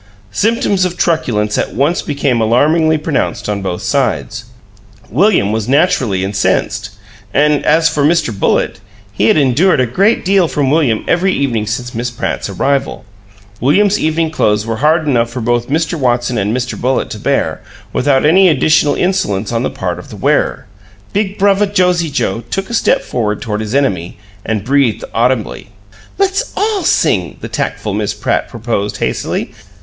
Symptoms of truculence at once became alarmingly pronounced on both sides. William was naturally incensed, and as for Mr. Bullitt, he had endured a great deal from William every evening since Miss Pratt's arrival. William's evening clothes were hard enough for both Mr. Watson and Mr. Bullitt to bear, without any additional insolence on the part of the wearer. Big Bruvva Josie Joe took a step toward his enemy and breathed audibly. "Let's ALL sing," the tactful Miss Pratt proposed, hastily.